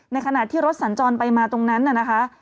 ขณะที่รถสัญจรไปมาตรงนั้นน่ะนะคะ